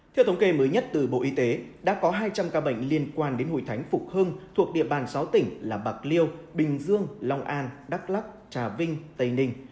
theo thống kê mới nhất từ bộ y tế đã có hai trăm linh ca bệnh liên quan đến hội thánh phục hưng thuộc địa bàn sáu tỉnh là bạc liêu bình dương long an đắk lắc trà vinh tây ninh